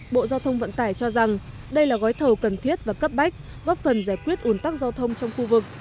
bộ giao thông vận tải cho rằng đây là gói thầu cần thiết và cấp bách góp phần giải quyết ủn tắc giao thông trong khu vực